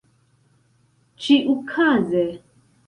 ĉiukaze